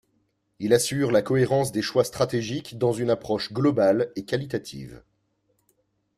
Il assure la cohérence des choix stratégiques dans une approche globale et qualitative.